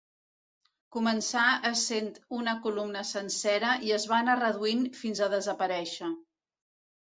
Començà essent una columna sencera i es va anar reduint fins a desaparèixer.